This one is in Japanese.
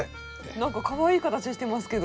なんかかわいい形してますけど。